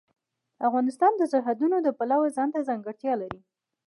افغانستان د سرحدونه د پلوه ځانته ځانګړتیا لري.